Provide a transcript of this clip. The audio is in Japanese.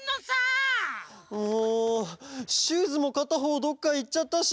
もうシューズもかたほうどっかいっちゃったし。